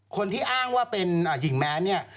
คนที่อ้างว่าเป็นหญิงแม้